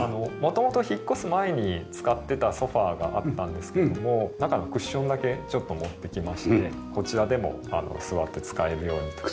元々引っ越す前に使ってたソファがあったんですけども中のクッションだけちょっと持ってきましてこちらでも座って使えるように。